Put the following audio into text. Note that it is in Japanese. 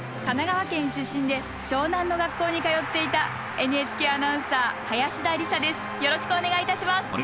神奈川県出身で湘南の学校に通っていたＮＨＫアナウンサー林田理沙です。